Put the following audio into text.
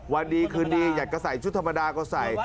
วันดีคืนดีอยากจะใส่ชุดธรรมดาก็ใส่